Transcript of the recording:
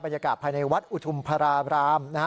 บรรยากาศภายในวัดอุทุมภาราม